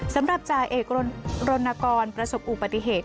สำหรับจ่าเอกรณกรประสบอุปติเหตุ